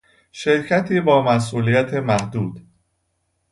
شرکتی با مسئولیت محدود